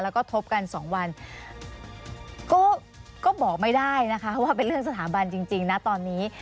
แล้วก็ทบกัน๒วันก็บอกไม่ได้นะคะว่าเป็นเรื่องสถาบันจริงนะตอนนี้